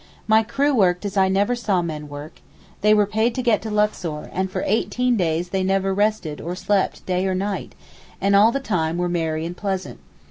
My crew worked as I never saw men work, they were paid to get to Luxor, and for eighteen days they never rested or slept day or night, and all the time were merry and pleasant.